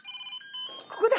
ここだ。